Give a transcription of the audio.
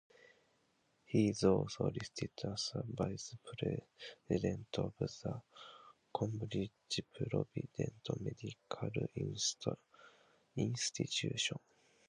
He is also listed as a vice president of the Cambridge Provident Medical Institution.